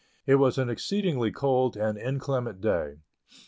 It was an exceedingly cold and inclement day.